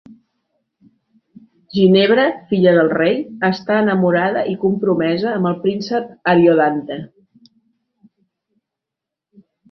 Ginevra, filla del rei, està enamorada i compromesa amb el príncep Ariodante.